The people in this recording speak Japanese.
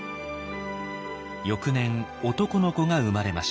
翌年男の子が生まれました。